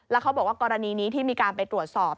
แล้วเขาบอกว่ากรณีนี้ที่มีการไปตรวจสอบ